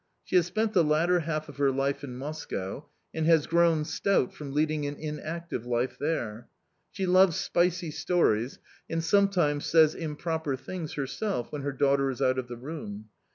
She has spent the latter half of her life in Moscow, and has grown stout from leading an inactive life there. She loves spicy stories, and sometimes says improper things herself when her daughter is out of the room.